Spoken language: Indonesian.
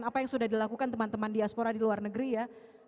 apa yang sudah dilakukan teman teman diaspora di luar negeri ya